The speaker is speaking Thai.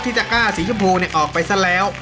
ที่จะกล้าสีชมพูนี่ออกไปซะแล้ว